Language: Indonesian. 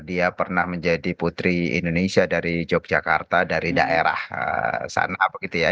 dia pernah menjadi putri indonesia dari yogyakarta dari daerah sana begitu ya